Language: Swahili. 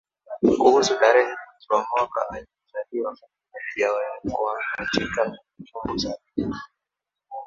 Kuhusu tarehe Mwezi na Mwaka aliozaliwa bado havijawekwa katika kumbukumbu sahihi